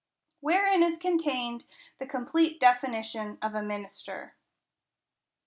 Wherein is contained the complete definition of a minister.